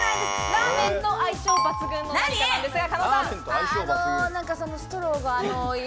ラーメンの相性抜群なんですが。